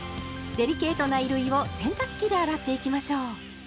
デリケートな衣類を洗濯機で洗っていきましょう。